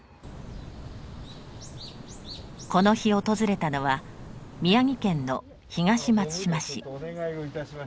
この日訪れたのは宮城県の東松島市。